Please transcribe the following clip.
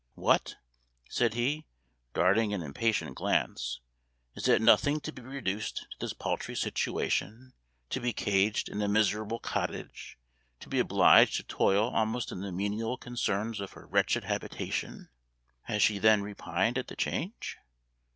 "What," said he, darting an impatient glance, "is it nothing to be reduced to this paltry situation to be caged in a miserable cottage to be obliged to toil almost in the menial concerns of her wretched habitation?" Has she then repined at the change?